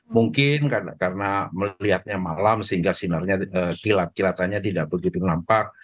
mungkin karena melihatnya malam sehingga sinarnya kilat kilatannya tidak begitu nampak